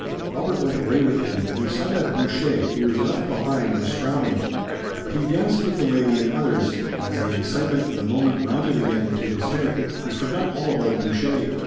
Robert went away with him and he saw that Boucher, who was left behind, was frowning, but he danced with the lady and others, and as the excitement of the moment mounted again to his head he forgot all about Boucher.